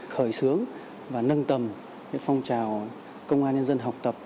khởi xướng và nâng tầm phong trào công an nhân dân học tập